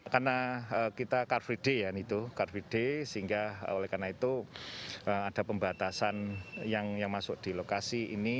karena kita car free day ya car free day sehingga oleh karena itu ada pembatasan yang masuk di lokasi ini